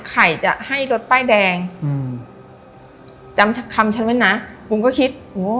ใครจะให้รถป้ายแดงอืมจำคำฉันไว้นะบุ๋มก็คิดโอ้